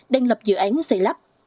đang lập dự án xây lắp